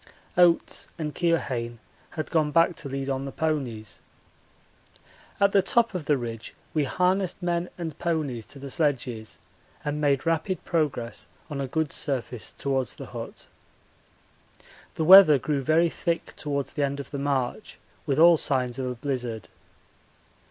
Oates and Keohane had gone back to lead on the ponies. At the top of the ridge we harnessed men and ponies to the sledges and made rapid progress on a good surface towards the hut. The weather grew very thick towards the end of the march, with all signs of a blizzard.